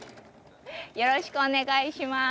よろしくお願いします。